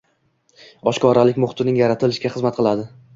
Oshkoralik muhitining yaratilishiga xizmat qiladi